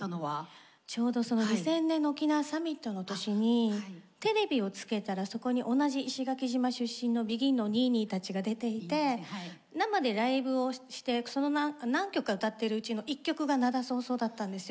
ちょうどその２０００年の沖縄サミットの年にテレビをつけたらそこに同じ石垣島出身のＢＥＧＩＮのにいにいたちが出ていて生でライブをしてその何曲か歌ってるうちの一曲が「涙そうそう」だったんですよ。